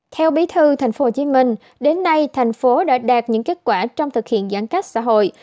theo bí thư tp hcm đến nay thành phố đã đạt những kết quả trong thực hiện giãn cách xã hội